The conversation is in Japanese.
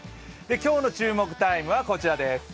今日の注目タイムはこちらです。